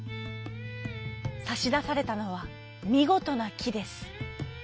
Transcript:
さしだされたのはみごとなきです。